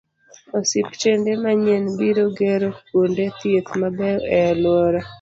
Osiptende manyien biro gero kuonde thieth mabeyo e alworano